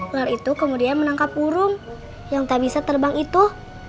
ular itu kemudian menangkap burung yang tak bisa terbang itu